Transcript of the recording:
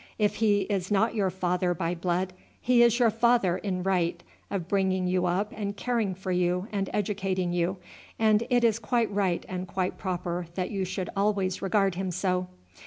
If he is not your father by blood, he is your father in right of bringing you up and caring for you and educating you, and it is quite right and quite proper that you should always regard him so.